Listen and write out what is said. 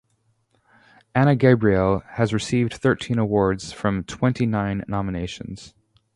Ana Gabriel has received thirteen awards from twenty-nine nominations.